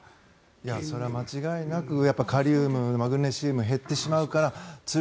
それは間違いなくカリウム、マグネシウムが減ってしまうから、つる。